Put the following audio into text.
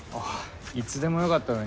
いつでもよかったのに。